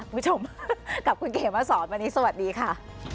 คุณผู้ชมกับคุณเขมมาสอนวันนี้สวัสดีค่ะ